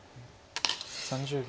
３０秒。